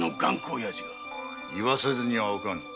言わさせずにはおかん。